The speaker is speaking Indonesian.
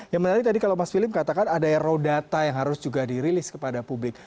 yang menarik tadi kalau mas philip katakan ada raw data yang harus juga dirilis kepada publik